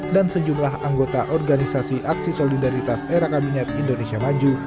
dan sejumlah anggota organisasi aksi solidaritas era kabinet indonesia maju